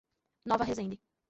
Nova Resende